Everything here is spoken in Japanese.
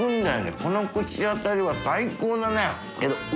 この口当たりは最高だね。